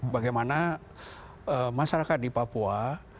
bagaimana masyarakat di papua